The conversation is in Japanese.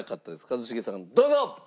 一茂さんどうぞ！